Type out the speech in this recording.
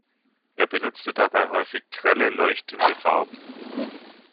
Er benutzte dabei häufig grelle, leuchtende Farben.